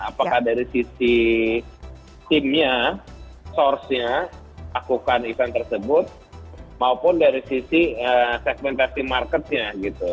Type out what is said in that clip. apakah dari sisi timnya source nya lakukan event tersebut maupun dari sisi segmentasi marketnya gitu